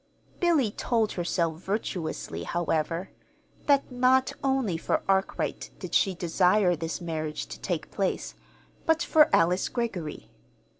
Billy told herself, virtuously, however, that not only for Arkwright did she desire this marriage to take place, but for Alice Greggory.